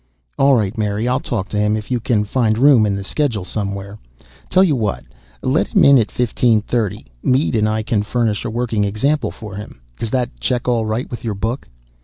"All right, Mary, I'll talk to him, if you can find room in the schedule somewhere. Tell you what let him in at fifteen thirty. Mead and I can furnish a working example for him. Does that check all right with your book?"